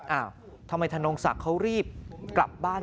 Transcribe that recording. อ้าวทำไมธนงศักดิ์เขารีบกลับบ้าน